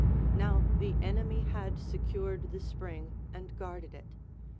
Now the enemy had secured the spring and guarded it.